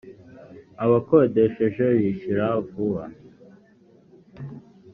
abakodesheje bishyura vuba.